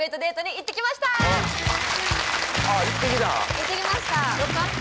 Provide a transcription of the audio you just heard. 行ってきました！